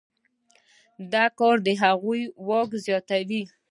دا کار د هغوی واک زیاتوي.